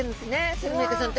スルメイカちゃんって。